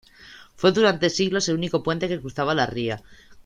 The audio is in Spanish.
Fue durante siglos el único puente que cruzaba la ría.